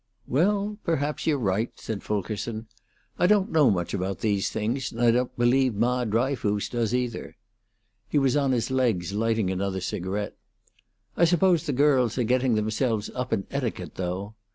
"Well, perhaps you're right," said Fulkerson. "I don't know much about these things, and I don't believe Ma Dryfoos does, either." He was on his legs lighting another cigarette. "I suppose the girls are getting themselves up in etiquette, though.